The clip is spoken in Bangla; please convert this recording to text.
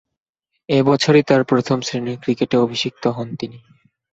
এ বছরেই তার প্রথম-শ্রেণীর ক্রিকেটে অভিষিক্ত হন তিনি।